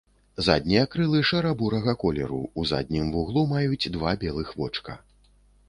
Заднія крылы шэра-бурага колеру, у заднім вуглу маюць два белых вочка.